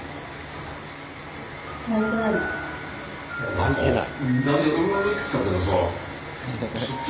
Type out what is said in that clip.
泣いてない？